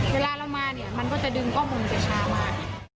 เวลาเรามามันก็จะดึงกรอกมุมตะชามา